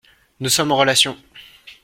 Nous sommes en relation.